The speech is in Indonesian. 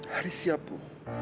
haris siap ibu